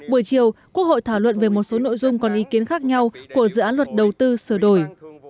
buổi chiều quốc hội thảo luận về một số nội dung còn ý kiến khác nhau của dự án luật đầu tư sửa đổi